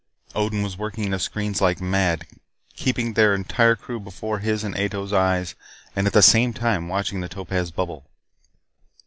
Odin was working the screens like mad. Keeping their entire crew before his and Ato's eyes and at the same time watching the topaz bubble.